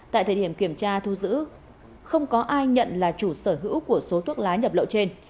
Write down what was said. tại thời điểm kiểm tra thu giữ không có ai nhận là chủ sở hữu của số thuốc lá nhập lậu trên